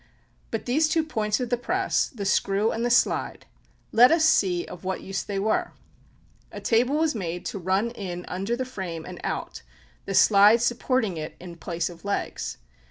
But these two points of the press, the screw and the slide, let us see of what use they were. A table was made to run in under the frame and out, the slide supporting it in place of legs.